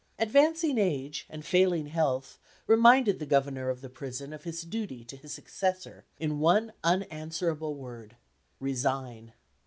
Advancing age and failing health reminded the Governor of the Prison of his duty to his successor, in one unanswerable word Resign.